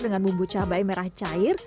dengan bumbu cabai merah cair